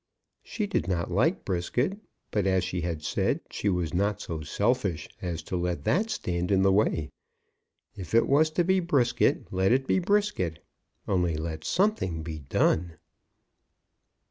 She did not like Brisket; but, as she had said, she was not so selfish as to let that stand in the way. If it was to be Brisket, let it be Brisket. Only let something be done.